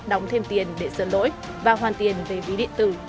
đóng thêm tiền để sửa lỗi và hoàn tiền về ví điện tử